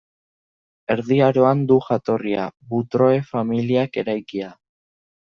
Erdi Aroan du jatorria, Butroe familiak eraikia.